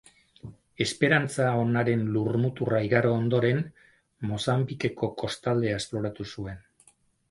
Esperantza Onaren lurmuturra igaro ondoren, Mozambikeko kostaldea esploratu zuen.